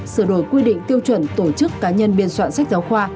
sửa đổi quy định tiêu chuẩn tổ chức cá nhân biên soạn sách giáo khoa